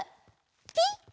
ピッ！